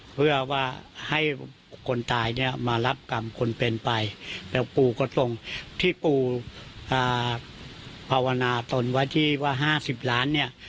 เพื่อว่าให้คนตายเนี่ยมารับกรรมคนเป็นไปแล้วปูก็ส่งที่ปูภาวนาตนไว้ที่ว่า๕๐ล้านเนี่ย